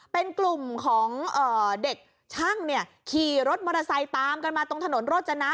เป็นกลุ่มของเด็กช่างขี่รถมอเตอร์ไซค์ตามกันมาตรงถนนโรจนะ